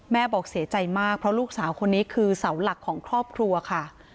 บอกเสียใจมากเพราะลูกสาวคนนี้คือเสาหลักของครอบครัวค่ะ